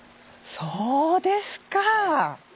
そうですか。